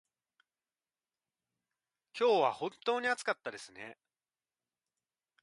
今日は本当に暑かったですね。